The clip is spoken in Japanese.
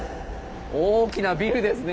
大きなビルですね。